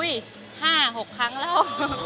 อุ้ย๕๖ครั้งแล้ว